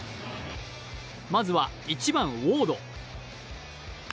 まずは１番・ウォード。